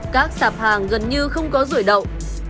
các sạp hàng gần như không có ruồi đậu